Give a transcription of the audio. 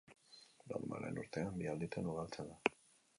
Normalean urtean bi alditan ugaltzen da.